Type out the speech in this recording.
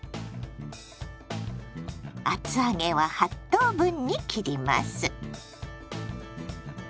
厚揚げは８等分に切ります。